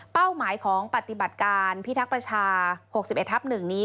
หมายของปฏิบัติการพิทักษ์ประชา๖๑ทับ๑นี้